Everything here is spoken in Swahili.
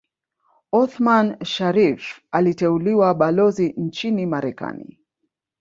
Othman Sharrif aliteuliwa Balozi nchini Marekani